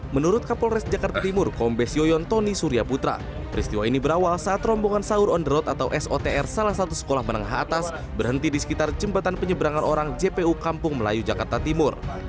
menurut kapolres jakarta timur kombes yoyon tony surya putra peristiwa ini berawal saat rombongan sahur on the road atau sotr salah satu sekolah menengah atas berhenti di sekitar jembatan penyeberangan orang jpu kampung melayu jakarta timur